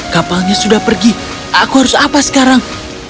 kapalnya sudah pergi aku harus apa sekarang